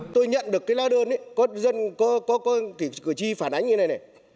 tôi nhận được cái la đơn có cử tri phản ánh như này này